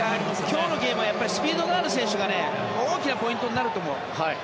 今日のゲームはスピードがある選手が大きなポイントになると思う。